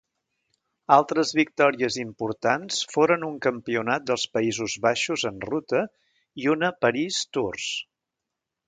Altres victòries importants foren un Campionat dels Països Baixos en ruta i una París-Tours.